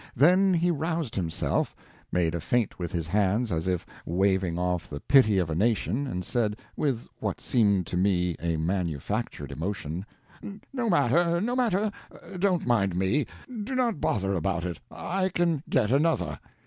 Then he roused himself, made a feint with his hands as if waving off the pity of a nation, and said with what seemed to me a manufactured emotion "No matter; no matter; don't mind me; do not bother about it. I can get another."